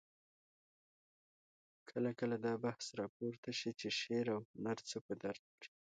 کله کله دا بحث راپورته شي چې شعر او هنر څه په درد خوري؟